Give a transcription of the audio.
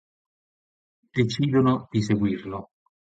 Decidono di seguirlo.